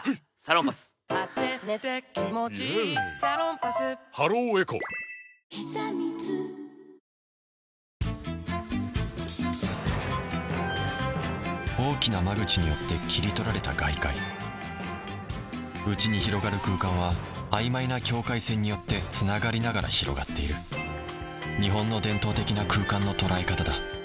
グループのＢは最初の５ｍ３０には大きな間口によって切り取られた外界内に広がる空間は曖昧な境界線によってつながりながら広がっている日本の伝統的な空間の捉え方だ